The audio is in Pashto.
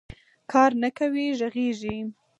کار نه کوې غږېږې